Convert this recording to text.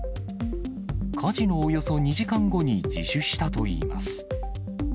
火事のおよそ２時間後に自首したといいます。